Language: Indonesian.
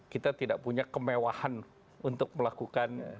kita tidak punya kemewahan untuk melakukan